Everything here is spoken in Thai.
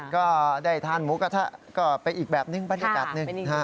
ก็ได้ทานหมูกระทะก็ไปอีกแบบนึงบรรยากาศหนึ่ง